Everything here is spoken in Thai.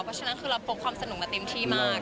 เพราะฉะนั้นคือเราพกความสนุกมาเต็มที่มาก